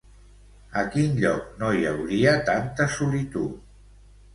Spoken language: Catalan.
A quin lloc no hi hauria tanta solitud?